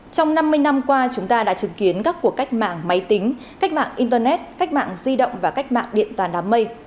trong năm mươi năm qua chúng ta đã chứng kiến các cuộc cách mạng máy tính cách mạng internet cách mạng di động và cách mạng điện toàn đám mây